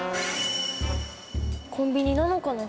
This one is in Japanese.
コンビニなのかな？